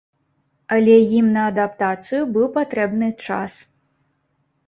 Але ім на адаптацыю быў патрэбны час.